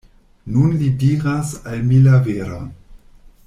Nun li diras al mi la veron.